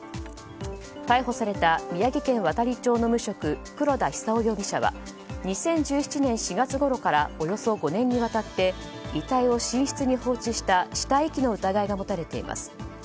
逮捕された宮城県亘理町の無職黒田久男容疑者は２０１７年４月ごろからおよそ５年にわたって遺体を寝室に放置した死体遺棄の疑いが持たれています。